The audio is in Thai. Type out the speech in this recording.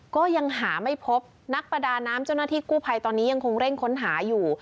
ก็ยังหาไม่พบนักประดาน้ำเจ้าหน้าที่กู้ภัยตอนนี้ยังคงเร่งค้นหาอยู่